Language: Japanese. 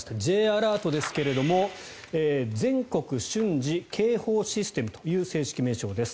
Ｊアラートですが全国瞬時警報システムという正式名称です。